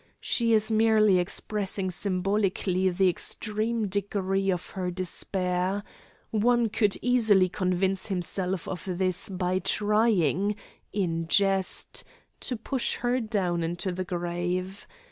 she is merely expressing symbolically the extreme degree of her despair one could easily convince himself of this by trying, in jest, to push her down into the grave.